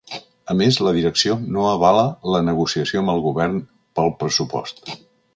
A més, la direcció no avala la negociació amb el govern pel pressupost.